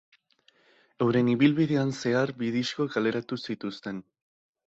Euren ibilbidean zehar bi disko kaleratu zituzten.